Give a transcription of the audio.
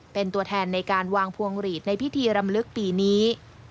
เป็นตัวแทนในการวางพวงหลีดในพิธีรำลึกปีนี้